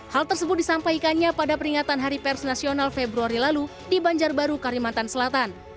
hal tersebut disampaikannya pada peringatan hari pers nasional februari lalu di banjarbaru kalimantan selatan